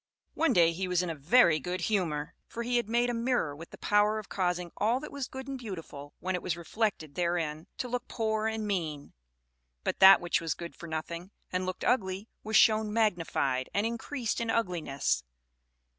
One day he was in a very good humor, for he had made a mirror with the power of causing all that was good and beautiful when it was reflected therein, to look poor and mean; but that which was good for nothing and looked ugly was shown magnified and increased in ugliness.